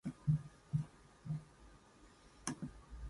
Reinforced police forces were brought to her.